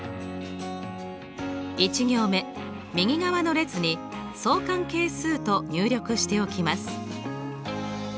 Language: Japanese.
１行目右側の列に「相関係数」と入力しておきます。